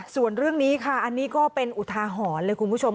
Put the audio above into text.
ส่วนเรื่องนี้ค่ะอันนี้ก็เป็นอุทาหรณ์เลยคุณผู้ชม